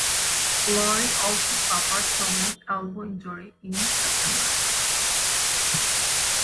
Lowry also suffered from an elbow injury in September.